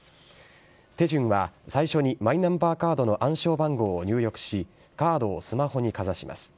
手順は最初にマイナンバーカードの暗証番号を入力し、カードをスマホにかざします。